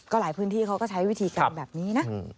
หลายพื้นที่เขาก็ใช้วิธีการแบบนี้นะ